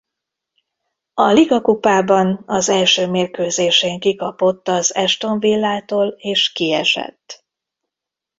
A ligakupában az első mérkőzésén kikapott az Aston Villától és kiesett.